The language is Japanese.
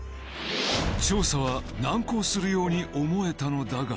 調査は難航するように思えたのだが。